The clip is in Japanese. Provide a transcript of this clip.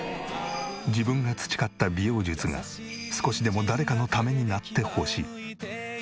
自分が培った美容術が少しでも誰かのためになってほしい。